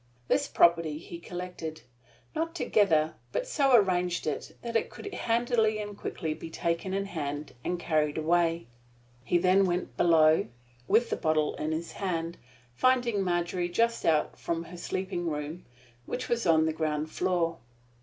This property he collected not together, but so arranged it that it could handily and quickly be taken in hand and carried away. He then went below, with the bottle in his hand, finding Margery just out from her sleeping room, which was on the ground floor.